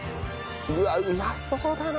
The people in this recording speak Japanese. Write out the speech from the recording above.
うわっうまそうだな！